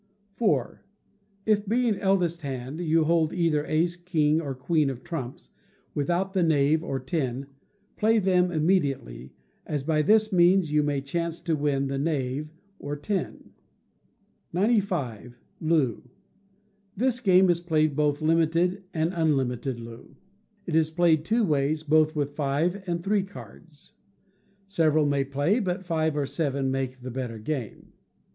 iv. If, being eldest hand, you hold either ace, king, or queen of trumps, without the knave or ten, play them immediately, as, by this means, you may chance to win the knave or ten. 95. Loo. This game is played both Limited and Unlimited Loo; it is played two ways, both with five and three cards. Several may play, but five or seven make the better game.